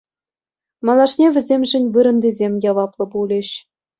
Малашне вӗсемшӗн вырӑнтисем яваплӑ пулӗҫ.